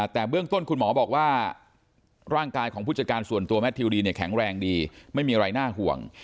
แต่เบื้องต้นคุณหมอบอกว่าร่างกายของผู้จัดการส่วนตัวแมททิวดีเนี่ยแข็งแรงดีไม่มีอะไรน่าห่วง